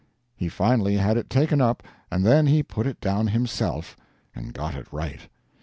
He finally had it taken up, and then he put it down himself and got it right.